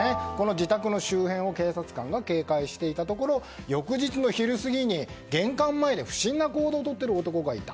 自宅の周辺を警察官が警戒していたところ翌日の昼過ぎに、玄関前で不審な行動をとっている男がいた。